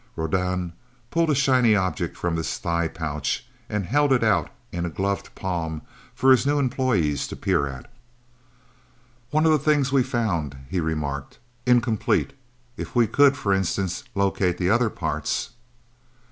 Rodan pulled a shiny object from his thigh pouch, and held it out in a gloved palm for his new employees to peer at. "One of the things we found," he remarked. "Incomplete. If we could, for instance, locate the other parts..."